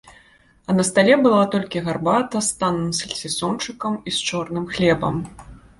А на стале была толькі гарбата з танным сальцісончыкам і з чорным хлебам.